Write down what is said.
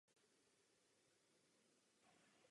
Pro mě je pak otázkou, proč tuto iniciativu podnikáme.